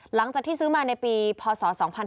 หลังจากที่ซื้อมาในปีพศ๒๕๕๙